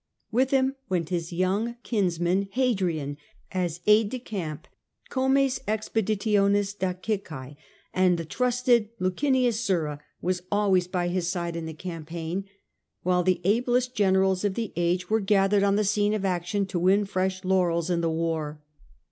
With him went his young kinsman Hadrian as aide de camp (comes expe ditionis Dacicae), and the trusted Licinius Sura was always by his side in the campaign, while the ablest generals of the age were gathered on the scene of action to win fresh laurels in the war.